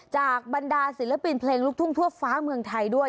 บรรดาศิลปินเพลงลูกทุ่งทั่วฟ้าเมืองไทยด้วย